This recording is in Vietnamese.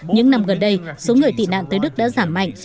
những năm gần đây số người tị nạn tới đức đã giảm mạnh